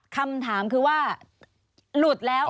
คำถามคือว่าหลุดแล้ว